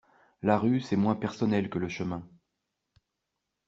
La rue c’est moins personnel que le chemin.